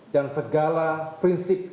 dan segala prinsip